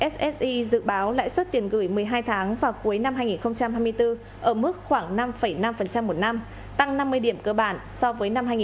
ssi dự báo lãi suất tiền gửi một mươi hai tháng vào cuối năm hai nghìn hai mươi bốn ở mức khoảng năm năm một năm tăng năm mươi điểm cơ bản so với năm hai nghìn hai mươi ba